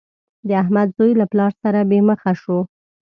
د احمد زوی له پلار سره بې مخه شو.